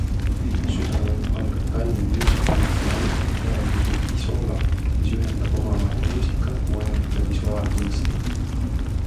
Südaööl algab Tallinn Music Weeki ametlik järelpidu ISOLA, mis ühendab omavahel muusika, moe ja visuaalkunsti.